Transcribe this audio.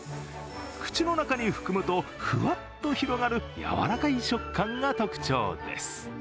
口の中に含むとふわっと広がるやわらかい食感が特徴です。